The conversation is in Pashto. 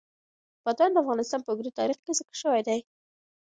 بادام د افغانستان په اوږده تاریخ کې ذکر شوي دي.